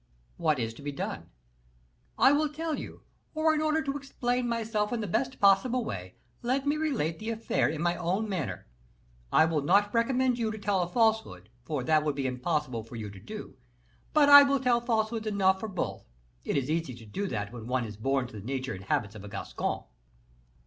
"What is to be done?" "I will tell you; or in order to explain myself in the best possible way, let me relate the affair in my own manner; I will not recommend you to tell a falsehood, for that would be impossible for you to do; but I will tell falsehoods enough for both; it is easy to do that when one is born to the nature and habits of a Gascon."